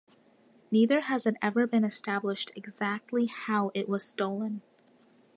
Neither has it ever been established exactly how it was stolen.